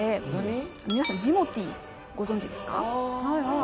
皆さんジモティーご存じですか？